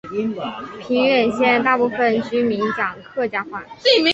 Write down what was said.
平远县大部分居民讲客家话。